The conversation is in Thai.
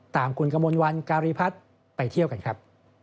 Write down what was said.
ตามคุณกมลวันการีพัฒน์ไปเที่ยวกันครับ